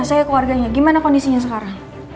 saya keluarganya gimana kondisinya sekarang